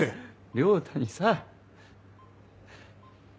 良太にさ。